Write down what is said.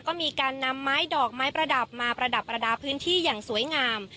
ก็มีการนำไม้ดอกไม้ประดับมาประดับประดาษพื้นที่อย่างสวยงาม